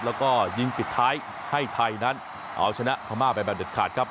แล้วก็ยิงปิดท้ายให้ไทยนั้นเอาชนะพม่าไปแบบเด็ดขาดครับ